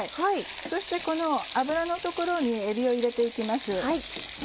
そしてこの油の所にえびを入れて行きます。